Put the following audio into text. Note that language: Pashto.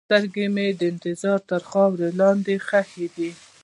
سترګې مې د انتظار تر خاورو لاندې ښخې دي.